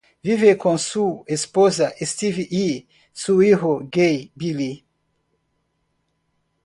Vive con su esposa Stevie y su hijo gay Billy.